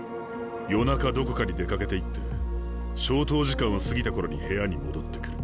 夜中どこかに出かけていって消灯時間を過ぎた頃に部屋に戻ってくる。